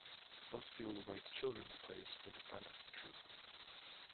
Busfield writes children's plays for the Fantasy troupe.